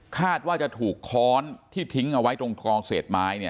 คาดว่าจะถูกค้อนที่ทิ้งเอาไว้ตรงคลองเศษไม้เนี่ย